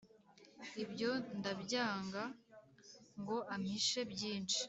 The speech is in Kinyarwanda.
Ibyo ndabyanga ngo ampishe byinshi